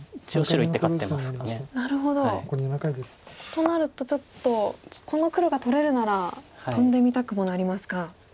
となるとちょっとこの黒が取れるならトンでみたくもなりますか。